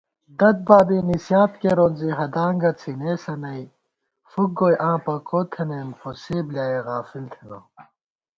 دَد بابے نِسِیات کېرون زِی ہدانگہ څھِنېسہ نئ * فُک گوئی آں پکو تھنَئیم خو سے بلیایَہ غافل تھنہ